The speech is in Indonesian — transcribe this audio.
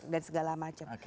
dan segala macam